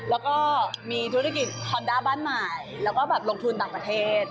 แล้วก็มีธุรกิจฮอนด้าบ้านใหม่แล้วก็แบบลงทุนต่างประเทศ